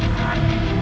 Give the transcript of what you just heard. aku akan menang